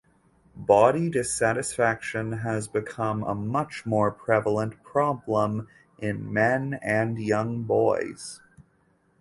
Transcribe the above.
Body dissatisfaction has become a much more prevalent problem in men and young boys.